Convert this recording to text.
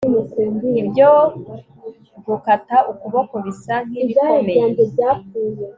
Ibyo gukata ukuboko bisa nkibikomeye